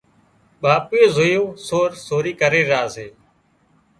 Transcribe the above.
ٻاپوئي زويون تو سور سوري ڪري را سي